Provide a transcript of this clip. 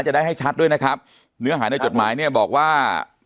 จะได้ให้ชัดด้วยนะครับเนื้อหาในจดหมายเนี่ยบอกว่า